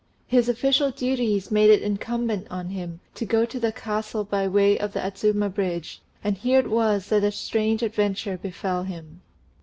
His official duties made it incumbent on him to go to the Castle by way of the Adzuma Bridge, and here it was that a strange adventure befel him.